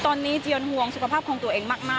ตอนนี้เจียนห่วงสุขภาพของตัวเองมาก